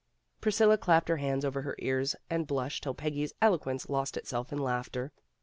Priscilla clapped her hands over her ears and blushed till Peggy's eloquence lost itself in laughter.